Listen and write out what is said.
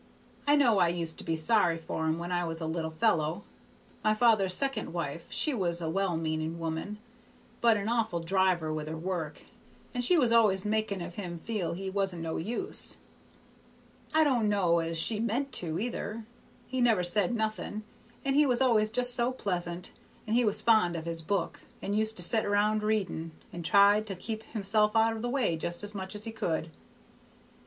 I know I used to be sorry for him when I was a little fellow. My father's second wife she was a well meaning woman, but an awful driver with her work, and she was always making of him feel he wasn't no use. I do' know as she meant to, either. He never said nothing, and he was always just so pleasant, and he was fond of his book, and used to set round reading, and tried to keep himself out of the way just as much as he could.